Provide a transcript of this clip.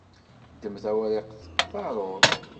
Ddem tawriqt, taruḍ!